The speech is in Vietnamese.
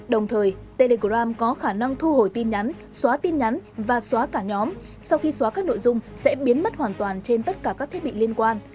đồng thời telegram có khả năng thu hồi tin nhắn xóa tin nhắn và xóa cả nhóm sau khi xóa các nội dung sẽ biến mất hoàn toàn trên tất cả các thiết bị liên quan